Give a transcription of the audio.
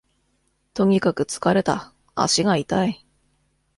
とにかく疲れた、足が痛い